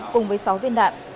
cùng với sáu viên đạn